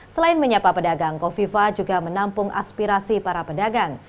selain menyapa pedagang kofifa juga menampung aspirasi para pedagang